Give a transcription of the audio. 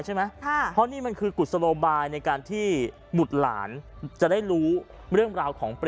เพราะนี้คือกุฏโสโลบายปืนบุหราน